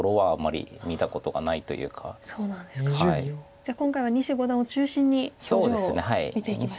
じゃあ今回は西五段を中心に表情を見ていきましょう。